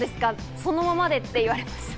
そのままでって言われました。